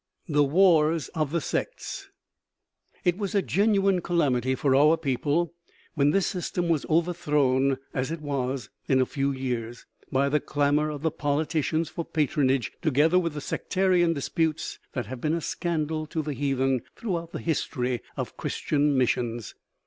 THE WARS OF THE SECTS It was a genuine calamity for our people when this system was overthrown, as it was in a few years, by the clamor of the politicians for patronage, together with the sectarian disputes that have been a scandal to the heathen throughout the history of Christian missions.